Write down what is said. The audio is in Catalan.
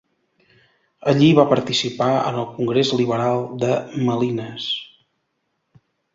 Allí va participar en el Congrés Liberal de Malines.